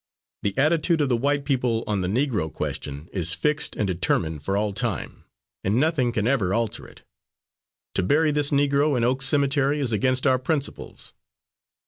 The attitude of the white people on the Negro question is fixed and determined for all time, and nothing can ever alter it. To bury this Negro in Oak Cemetery is against our principles."